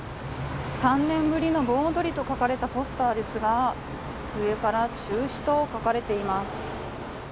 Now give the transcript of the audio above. ３年ぶりの盆踊りと書かれたポスターですが上から中止と書かれています。